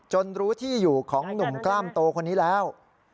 รู้ที่อยู่ของหนุ่มกล้ามโตคนนี้แล้ว